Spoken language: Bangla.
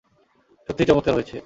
সত্যিই চমৎকার হয়েছে।